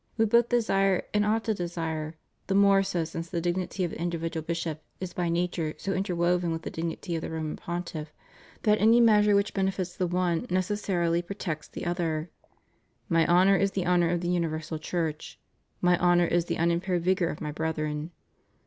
We both desire and ought to desire, the more so since the dignity of the individual bishop is by nature so inter woven with the dignity of the Roman Pontiff that any measure which benefits the one necessarily protects the other, "My honor is the honor of the Universal Church. My honor is the unimpaired vigor of My brethren.